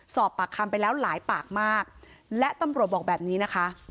สอบปากคำไปแล้วหลายปากมากและตำรวจบอกแบบนี้นะคะ